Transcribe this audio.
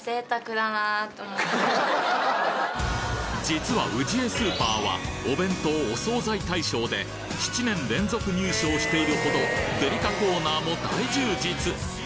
実はウジエスーパーはお弁当・お惣菜大賞で７年連続入賞しているほどデリカコーナーも大充実